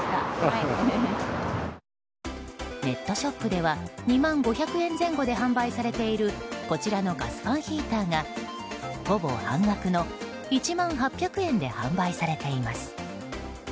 ネットショップでは２万５０００円前後で販売されているこちらのガスファンヒーターがほぼ半額の１万８００円で販売されています。